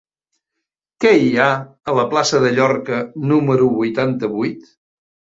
Què hi ha a la plaça de Llorca número vuitanta-vuit?